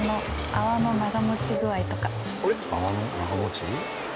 泡の長持ち？